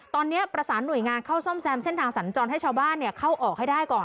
ตอนนี้ประสานหน่วยงานเข้าซ่อมแซมเส้นทางสัญจรให้ชาวบ้านเข้าออกให้ได้ก่อน